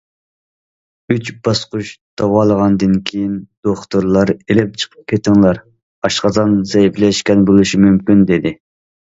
ئۈچ باسقۇچ داۋالىغاندىن كېيىن دوختۇرلار‹‹ ئېلىپ چىقىپ كېتىڭلار، ئاشقازان زەئىپلەشكەن بولۇشى مۇمكىن›› دېدى.